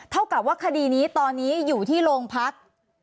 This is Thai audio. เท่ากับว่าคดีนี้ตอนนี้อยู่ที่โรงพัก